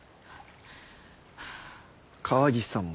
川岸さんも。